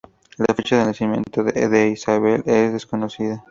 La fecha del nacimiento de Isabel es desconocida.